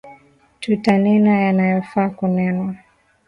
Tutanena yanayofaa kunenwa